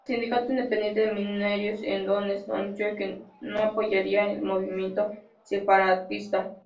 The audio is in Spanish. El Sindicato Independiente de Mineros en Donetsk anunció que no apoyaría el movimiento separatista.